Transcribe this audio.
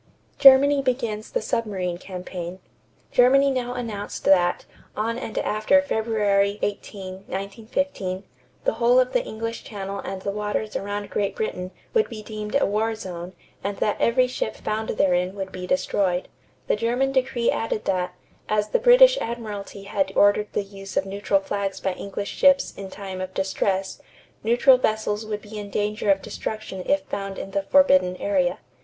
=Germany Begins the Submarine Campaign.= Germany now announced that, on and after February 18, 1915, the whole of the English Channel and the waters around Great Britain would be deemed a war zone and that every enemy ship found therein would be destroyed. The German decree added that, as the British admiralty had ordered the use of neutral flags by English ships in time of distress, neutral vessels would be in danger of destruction if found in the forbidden area.